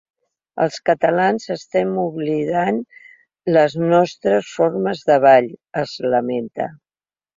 Els catalans estem oblidant les nostres formes de ball, es lamenta.